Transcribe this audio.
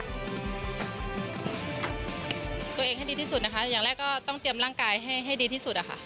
ตัวเองให้ดีที่สุดนะคะอย่างแรกก็ต้องเตรียมร่างกายให้ดีที่สุดอะค่ะ